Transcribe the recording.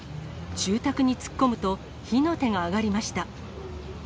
住宅に突っ込むと火の手が上がりました。